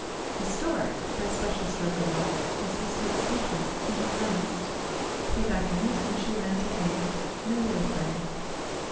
A Stork, by special stroke of luck, As he stood speechless, came at last. He beckoned, and she ran to aid, No whit afraid.